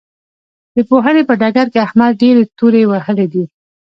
د پوهنې په ډګر کې احمد ډېرې تورې وهلې دي.